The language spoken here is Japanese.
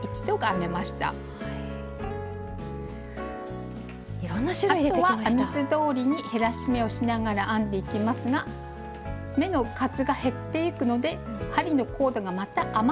あとは編み図どおりに減らし目をしながら編んでいきますが目の数が減っていくので針のコードがまた余ってきます。